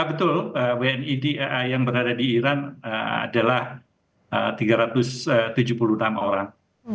betul wni yang berada di iran adalah tiga ratus tujuh puluh enam orang